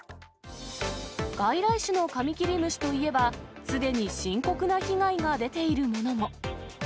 外来種のカミキリムシといえば、すでに深刻な被害が出ているものも。